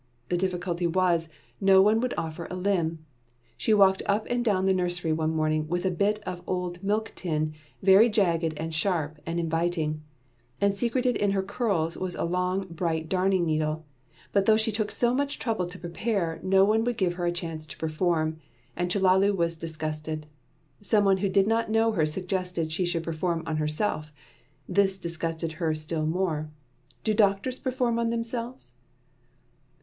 The difficulty was, no one would offer a limb. She walked up and down the nursery one morning with a bit of an old milk tin, very jagged and sharp and inviting, and secreted in her curls was a long, bright darning needle; but though she took so much trouble to prepare, no one would give her a chance to perform, and Chellalu was disgusted. Someone who did not know her suggested she should perform on herself. This disgusted her still more. Do doctors perform on themselves!